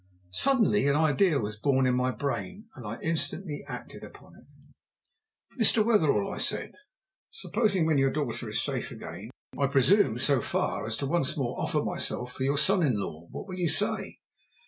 Suddenly an idea was born in my brain, and instantly I acted on it. "Mr. Wetherell," I said, "supposing, when your daughter is safe again, I presume so far as once more to offer myself for your son in law, what will you say?"